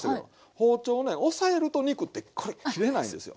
包丁ね押さえると肉ってこれ切れないんですよ。